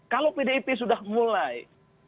kalau pdip sudah mulai